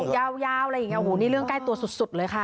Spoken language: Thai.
ยาวอะไรอย่างนี้เรื่องใกล้ตัวสุดเลยค่ะ